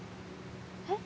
えっ？